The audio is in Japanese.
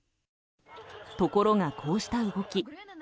ところが、こうした動き